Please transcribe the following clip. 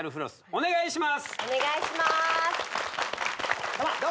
お願いします